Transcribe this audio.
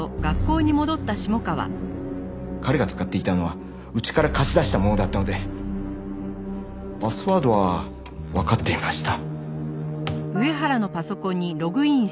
彼が使っていたのはうちから貸し出したものだったのでパスワードはわかっていました。